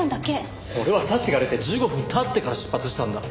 俺は早智が出て１５分経ってから出発したんだ。